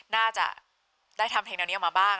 น่าจะได้ทำเพลงแนวนี้ออกมาบ้าง